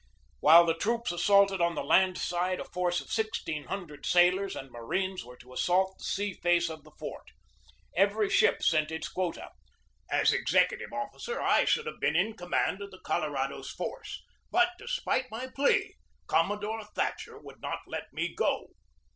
While the troops assaulted on the land side, a force of sixteen hundred sailors and marines were to assault the sea face of the fort. Every ship sent its quota. As executive officer, I should have been in command of the Colorado's force, but, despite my plea, Commodore Thatcher would not let me go.